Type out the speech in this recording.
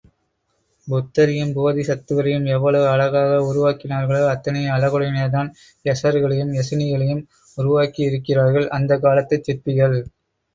புத்தரையும் போதி சத்துவரையும் எவ்வளவு அழகாக உருவாக்கினார்களோ அத்தனை அழகுடனேயேதான் யக்ஷர்களையும் யக்ஷிணிகளையும் உருவாக்கியிருக்கிறார்கள் அந்தக் காலத்துச் சிற்பிகள்.